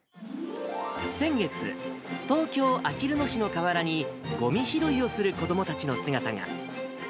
先月、東京・あきる野市の河原に、ごみ拾いをする子どもたちの姿が。